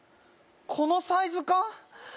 このサイズ感！？